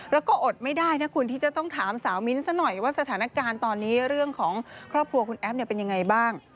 แล้วก็อดไม่ได้นะคุณที่จะต้องถามสาวมิ้นท์ซะหน่อยว่าสถานการณ์ตอนนี้เรื่องของครอบครัวคุณแอฟเนี่ยเป็นยังไงบ้าง